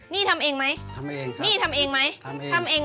นี่ทำเองไหมนี่ทำเองไหมทำเอง